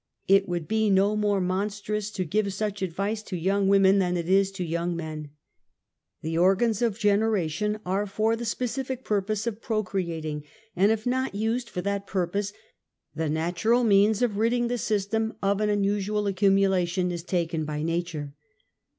It would be no more monstrous to give such advice to young women than it is to young men. The organs of generation are for the specific pur pose of procreating, and if not used for that purpose ; the natural means of ridding the system of an unusual accumulation is taken by nature.